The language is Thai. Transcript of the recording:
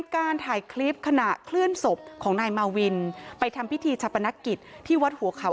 การถ่ายคลิปขณะเคลื่อนศพของนายมาวินไปทำพิธีชาปนกิจที่วัดหัวเขา